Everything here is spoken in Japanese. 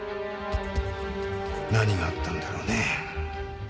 何があったんだろうね。